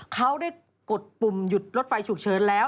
เขาได้กดปุ่มหยุดรถไฟฉุกเฉินแล้ว